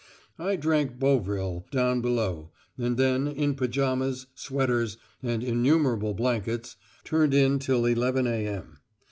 I drank Bovril down below, and then, in pyjamas, sweaters, and innumerable blankets, turned in till 11.0 a.m.